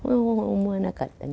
思わなかったね。